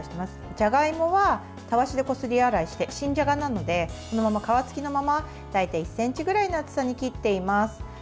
じゃがいもはたわしでこすり洗いして新じゃがなので皮つきのまま大体１ｃｍくらいの厚さに切っています。